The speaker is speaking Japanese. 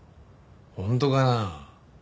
本当かな？